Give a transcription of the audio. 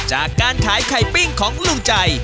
จากการขายไข่ปิ้งของลุงใจ